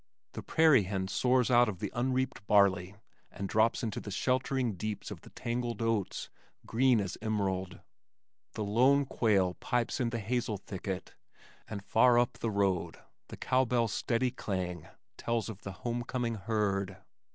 The prairie hen soars out of the unreaped barley and drops into the sheltering deeps of the tangled oats, green as emerald. The lone quail pipes in the hazel thicket, and far up the road the cow bell's steady clang tells of the homecoming herd.